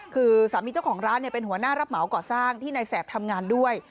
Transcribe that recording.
คือสามีเจ้าของร้านเป็นหัวหน้ารับเหมาก่อสร้างที่นายแสบทำงานด้วย